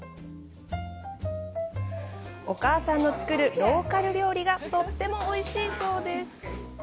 お母さんの作るローカル料理がとってもおいしいそうです。